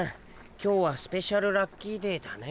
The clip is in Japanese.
今日はスペシャルラッキーデーだね。